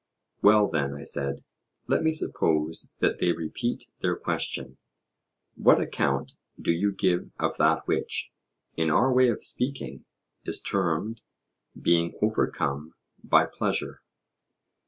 Well then, I said, let me suppose that they repeat their question, What account do you give of that which, in our way of speaking, is termed being overcome by pleasure?